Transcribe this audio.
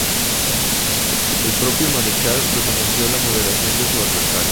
El propio Marechal reconoció la moderación de su adversario.